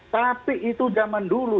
tapi itu zaman dulu